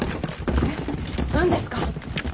何ですか？